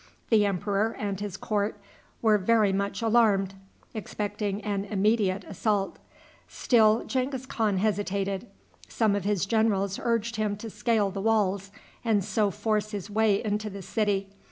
The emperor and his court were very much alarmed, expecting an immediate assault. Still Genghis Khan hesitated. Some of his generals urged him to scale the walls, and so force his way into the city.